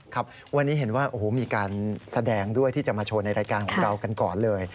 ครับวันนี้เห็นว่าโอ้โหมีการแสดงด้วยที่จะมาโชว์ในรายการของเรากันก่อนเลย